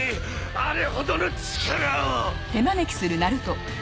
あれほどの力を！